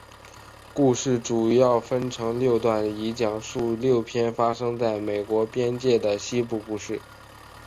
故事主要分成六段以讲述六篇发生在美国边界的西部故事。